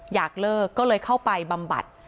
อยากเลิกก็เลยเข้าไปบำบัด